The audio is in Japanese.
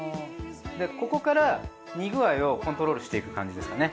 ここから煮具合をコントロールしていく感じですかね。